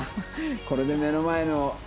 これで目の前の。